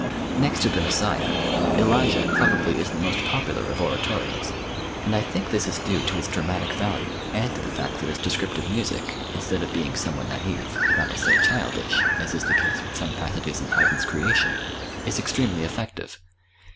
Next to "The Messiah," "Elijah" probably is the most popular of oratorios, and I think this is due to its dramatic value, and to the fact that its descriptive music, instead of being somewhat naive, not to say childish, as is the case with some passages in Haydn's "Creation," is extremely effective.